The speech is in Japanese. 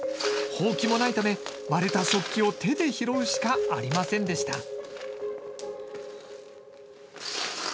ほうきもないため割れた食器を手で拾うしかありませんでした。